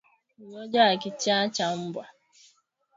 Ugonjwa wa kichaa cha mbwa